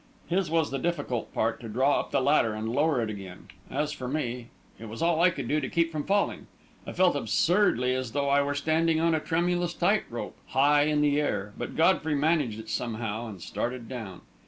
His was the difficult part, to draw up the ladder and lower it again. As for me, it was all I could do to keep from falling. I felt absurdly as though I were standing on a tremulous tight rope, high in the air; but Godfrey managed it somehow and started down.